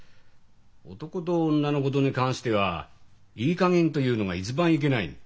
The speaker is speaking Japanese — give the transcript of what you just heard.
男と女のことに関してはいいかげんというのが一番いけない。